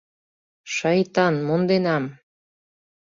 — Шайтан, монденам.